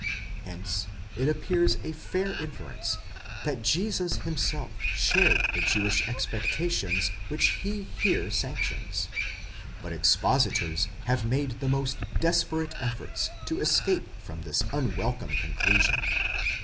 Hence it appears a fair inference, that Jesus him self shared the Jewish expectations which he here sanctions: but expositors have made the most desperate efforts to escape from this unwelcome conclu sion.